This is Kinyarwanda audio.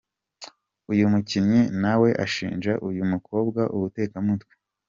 Uyu mukinnyi na we ashinja uyu mukobwa ubutekamutwe.